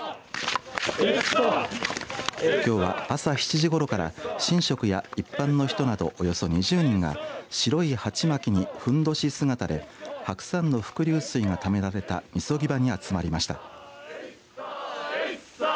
きょうは朝７時ごろから神職や一般の人などおよそ２０人が白いはちまきにふんどし姿で白山の伏流水がためられたみそぎ場に集まりました。